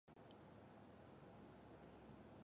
经体表寄生虫在人群中传播。